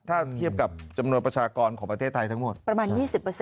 ถ้าเทียบกับจำนวนประชากรของประเทศไทยทั้งหมดประมาณ๒๐